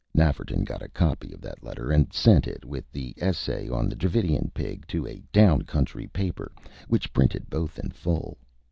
Nafferton got a copy of that letter, and sent it, with the essay on the Dravidian Pig, to a down country paper, which printed both in full.